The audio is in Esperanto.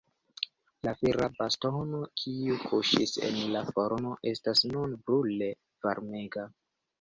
La fera bastono, kiu kuŝis en la forno, estas nun brule varmega.